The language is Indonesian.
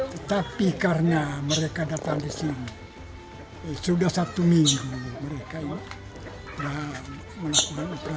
tetapi karena mereka datang di sini sudah satu minggu mereka itu